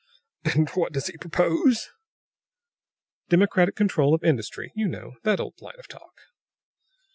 "And what does he propose?" "Democratic control of industry. You know that old line of talk."